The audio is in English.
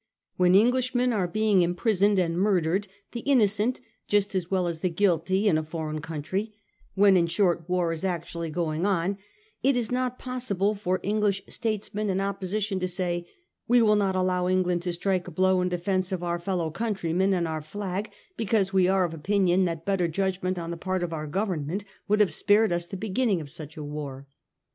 When Eng lishmen are being imprisoned and murdered, the innocent just as well as the guilty, in a foreign country — when, in short, war is actually going on —■ it is not possible for English statesmen in opposition to say ' We will not allow England to strike a blow in defence of our fellow countrymen and our flag, be cause we are of opinion that better judgment on the part of our Government would have spared us the beginning of such a war.